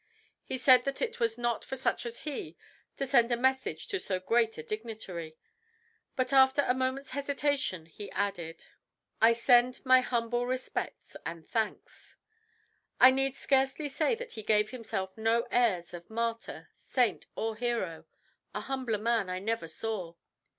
He said that it was not for such as he to send a message to so great a dignitary, but after a moment's hesitation he added, "I send my humble respects and thanks." I need scarcely say that he gave himself no airs of martyr, saint, or hero a humbler man I never saw.